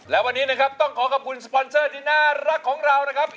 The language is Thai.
และวันนี้นะครับต้องขอขอบคุณสปอนเซอร์ที่น่ารักของเรานะครับ